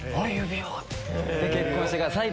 結婚してください。